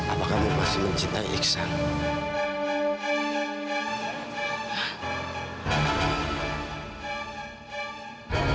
apakah kamu masih mencintai iksan